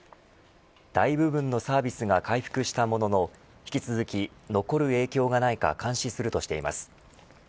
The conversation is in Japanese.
大部分のサービスが回復したものの引き続き残る影響がないか監視するとしています。